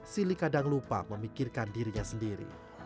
sili kadang lupa memikirkan dirinya sendiri